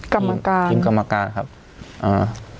กรรมการทีมกรรมการครับอ่า